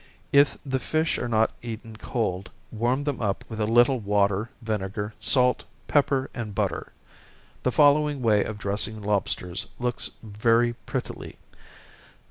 If the fish are not eaten cold, warm them up with a little water, vinegar, salt, pepper, and butter. The following way of dressing lobsters looks very prettily.